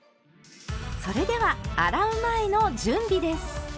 それでは洗う前の準備です。